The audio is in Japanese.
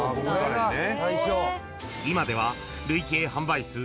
［今では］